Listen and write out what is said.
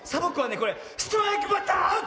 これストライクバッターアウト！